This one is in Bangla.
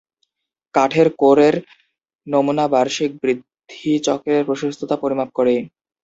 কাঠের কোর’র নমুনা বার্ষিক বৃদ্ধি চক্রের প্রশস্ততা পরিমাপ করে।